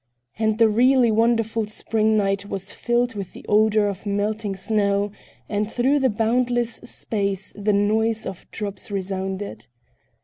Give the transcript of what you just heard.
And the really wonderful spring night was filled with the odor of melting snow, and through the boundless space the noise of drops resounded.